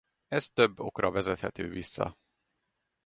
Ez több okra vezethető vissza.